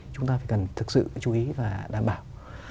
chúng ta phải cần thực sự chú ý và đảm bảo